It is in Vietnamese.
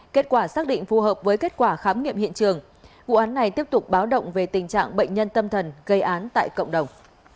kết quả xác định phù hợp với kết quả khám nghiệm hiện trường vụ án này tiếp tục báo động về tình trạng bệnh nhân tâm thần gây án tại cộng đồng